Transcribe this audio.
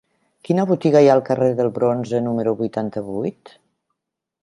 Quina botiga hi ha al carrer del Bronze número vuitanta-vuit?